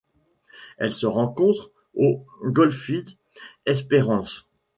Elle se rencontre au Goldfields-Esperance.